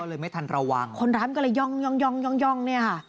ก็เลยไม่ทันระวังคนร้ายมันกำลังย่องย่องย่องย่องย่องเนี้ยค่ะ